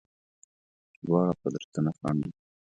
دواړه قدرتونه خنډ وه.